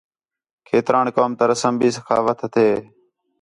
کھیتران قوم تا رسم بھی ثقافت ہتھے